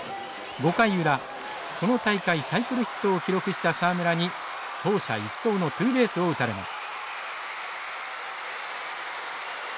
５回裏この大会サイクルヒットを記録した沢村に走者一掃のツーベースを打たれます。